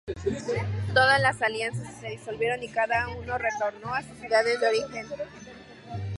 Todas las alianzas se disolvieron y cada uno retornó a sus ciudades de origen.